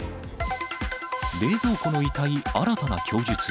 冷蔵庫の遺体、新たな供述。